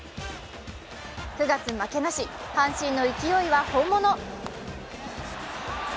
９月負けなし、阪神の勢いは本物。